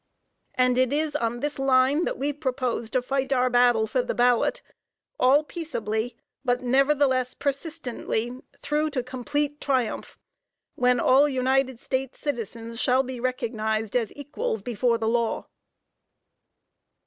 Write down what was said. And it is on this line that we propose to fight our battle for the ballot all peaceably, but nevertheless persistently through to complete triumph, when all United States citizens shall be recognized as equals before the law.